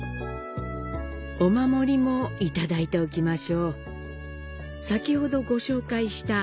お守りもいただいておきましょう。